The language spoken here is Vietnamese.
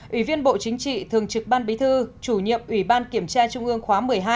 ủy viên bộ chính trị thường trực ban bí thư chủ nhiệm ủy ban kiểm tra trung ương khóa một mươi hai